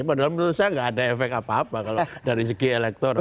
padahal menurut saya nggak ada efek apa apa kalau dari segi elektoral